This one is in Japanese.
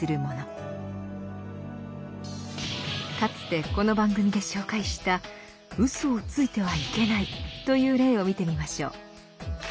かつてこの番組で紹介した「嘘をついてはいけない」という例を見てみましょう。